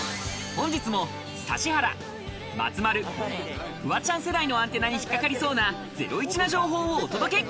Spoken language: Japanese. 本日も指原、松丸、フワちゃん世代のアンテナに引っ掛かりそうなゼロイチな情報をお届け！